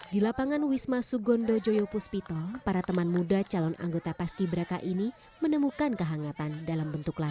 di lapangan wisma sugondo jaya puspito para teman muda calon anggota pasgibraka ini menemukan kehangatan dalam bentuk lain